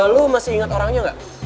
lo masih inget orangnya gak